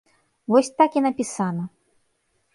Вось так і напісана.